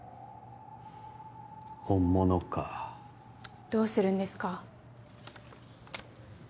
本物かどうするんですか？